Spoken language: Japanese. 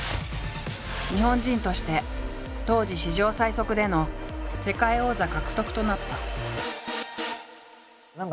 日本人として当時史上最速での世界王座獲得となった。